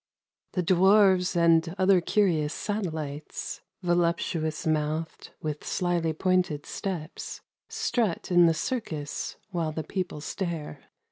The dwarves and other curious satellites, Voluptuous mouthed, with slyly pointed steps, Strut in the circus while the people stare.